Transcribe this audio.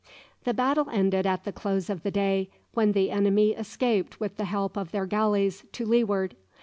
The battle ended at the close of the day, when the enemy escaped with the help of their galleys to leeward.